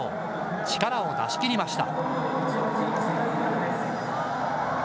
力を出しきりました。